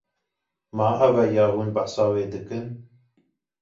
Ma ev e ya hûn behsa wê dikin?